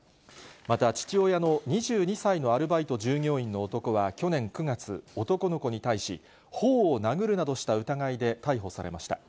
また、父親の２２歳のアルバイト従業員の男は去年９月、男の子に対し、ほおを殴るなどした疑いで逮捕されました。